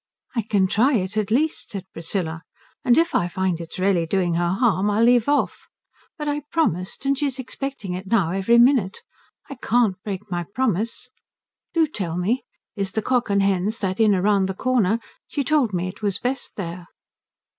"I can try it at least," said Priscilla; "and if I find it's really doing her harm I'll leave off. But I promised, and she's expecting it now every minute. I can't break my promise. Do tell me is the Cock and Hens that inn round the corner? She told me it was best there."